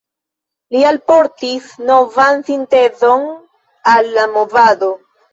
Li alportis novan sintezon al la movado.